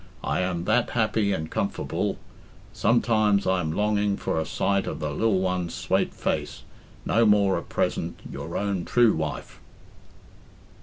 i am that happy and comforbel... sometimes i am longing for a sight of the lil ones swate face... no more at present... ure own trew wife."